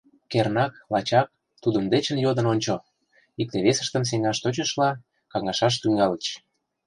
— Кернак, лачак... тудын дечын йодын ончо! — икте-весыштым сеҥаш тӧчышыла, каҥашаш тӱҥальыч.